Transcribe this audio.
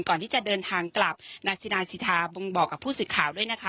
ก่อนที่จะเดินทางกลับนางซินานสิทธาบงบอกกับผู้สื่อข่าวด้วยนะคะ